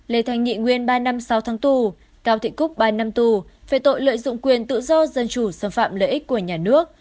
lê thanh nghị nguyên ba năm sáu tháng tù cao thị cúc ba năm tù về tội lợi dụng quyền tự do dân chủ xâm phạm lợi ích của nhà nước